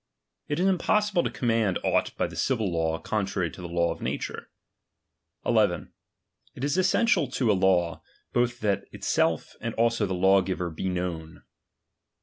It is impossible to command aught by the civil law contrary to the law of nature. II. It is essential to a law, both that itself and also the law giver be known.